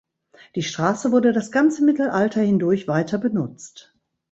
Die Straße wurde das ganze Mittelalter hindurch weiter benutzt.